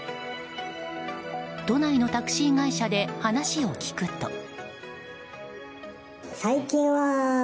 都内のタクシー会社で話を聞くと。